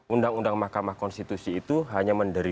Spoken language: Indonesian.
undang undang mahkamah konstitusi itu hanya menerima